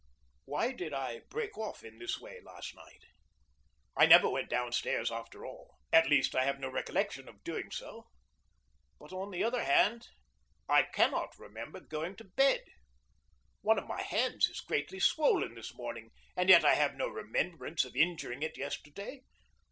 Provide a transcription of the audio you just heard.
Why did I break off in this way last night? I never went down stairs, after all at least, I have no recollection of doing so. But, on the other hand, I cannot remember going to bed. One of my hands is greatly swollen this morning, and yet I have no remembrance of injuring it yesterday.